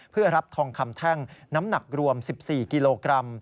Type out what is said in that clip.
เพื่อรับทองคำแท่งน้ำหนักรวม๑๔กิโลกรัม